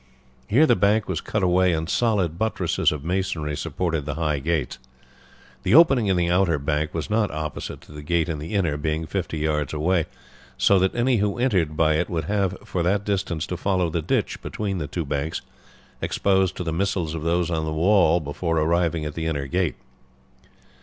Here the bank was cut away, and solid buttresses of masonry supported the high gates. The opening in the outer bank was not opposite to the gate in the inner, being fifty yards away, so that any who entered by it would have for that distance to follow the ditch between the two banks, exposed to the missiles of those on the wall before arriving at the inner gate.